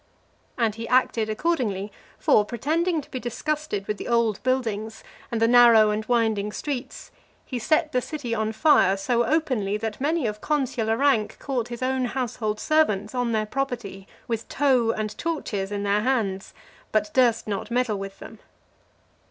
And he acted accordingly: for, pretending to be disgusted with the old buildings, and the narrow and winding streets, he set the city on fire so openly, that many of consular rank caught his own household servants on their property with tow, and (368) torches in their hands, but durst not meddle with them.